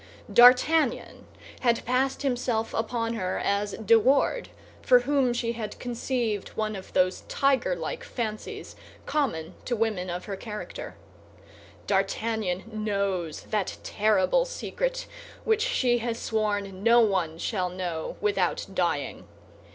D'Artagnan had passed himself upon her as De Wardes, for whom she had conceived one of those tigerlike fancies common to women of her character. D'Artagnan knows that terrible secret which she has sworn no one shall know without dying.